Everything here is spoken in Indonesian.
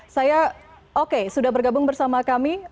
saya oke sudah bergabung bersama kami